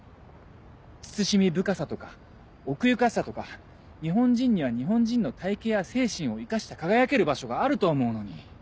慎み深さとか奥ゆかしさとか日本人には日本人の体形や精神を生かした輝ける場所があると思うのに。